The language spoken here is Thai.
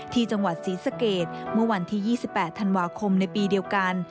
ที่จังหวัดศรีสะเกดเมื่อวันที่๒๘ธันวาคมในปีเดียวกัน